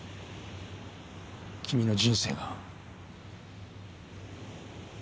君の人生が。